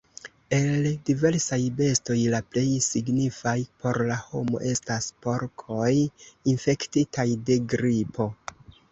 El diversaj bestoj la plej signifaj por la homo estas porkoj infektitaj de gripo.